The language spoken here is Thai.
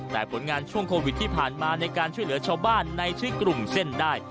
แต่ผลงานช่วงโควิดที่ผ่านมาในการช่วยเหลือชาวบ้านในชื่อกลุ่มเส้นได้